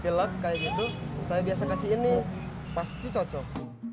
pilek kayak gitu saya biasa kasih ini pasti cocok